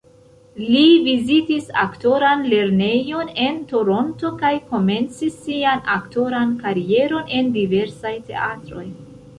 Li vizitis aktoran lernejon en Toronto kaj komencis sian aktoran karieron en diversaj teatroj.